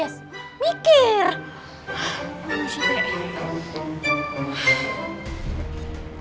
neng aku mau nunggu